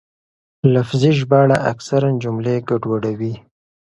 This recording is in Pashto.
لفظي ژباړه اکثراً جملې ګډوډوي.